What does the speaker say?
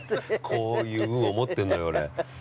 ◆こういう運を持ってんのよ、俺。